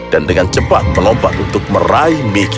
dan dengan cepat melompat untuk meraih mickey